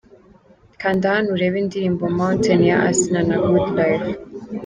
Kanda hano urebe indirimbo 'Mountain' ya Asinah na Good Life.